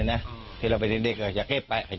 ปั้งเยอะสมัยก่อนที่เราไปที่เด็กโดยจะเก็บไปไม่พาออก